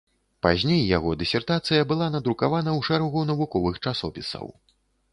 Пазней яго дысертацыя была надрукавана ў шэрагу навуковых часопісаў.